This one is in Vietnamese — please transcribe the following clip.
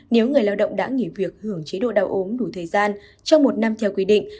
nếu người lao động đã nghỉ việc hưởng chế độ đau ốm đủ thời gian trong một năm theo quy định